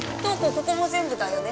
ここも全部だよね？